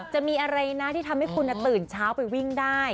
จะมีอะไรนะที่ทำให้คุณตื่นเช้าไปวิ่งได้